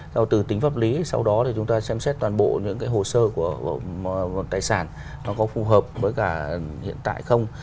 sau từ tính pháp lý sau đó chúng ta xem xét toàn bộ những hồ sơ của tài sản có phù hợp với hiện tại không